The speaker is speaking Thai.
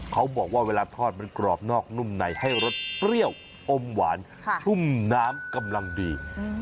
เขาบอกว่าเวลาทอดมันกรอบนอกนุ่มในให้รสเปรี้ยวอมหวานชุ่มน้ำกำลังดี